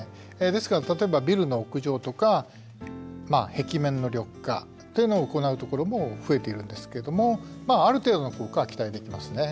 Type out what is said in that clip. ですから例えばビルの屋上とか壁面の緑化というのを行うところも増えているんですけどもある程度の効果は期待できますね。